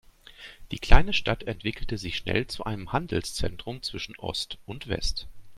Die kleine Stadt entwickelte sich schnell zu einem Handelszentrum zwischen Ost und West.